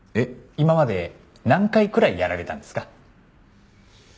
今まで何回くらいやられたんですか？